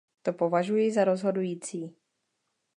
To považuji za rozhodující.